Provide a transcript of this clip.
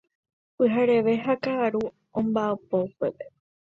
Pyhareve ha ka'aru omba'apo upépe.